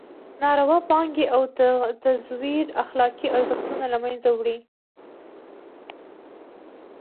ناروا پانګې او تزویر اخلاقي ارزښتونه له مېنځه وړي.